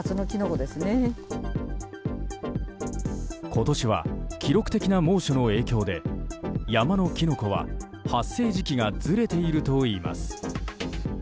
今年は記録的な猛暑の影響で山のキノコは発生時期がずれているといいます。